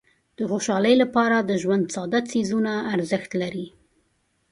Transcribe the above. د خوشحالۍ لپاره د ژوند ساده څیزونه ارزښت لري.